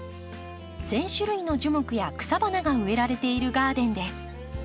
１，０００種類の樹木や草花が植えられているガーデンです。